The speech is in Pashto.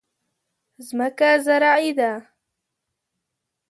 ځمکه زرعي ده.